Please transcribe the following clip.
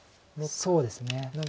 そうですね。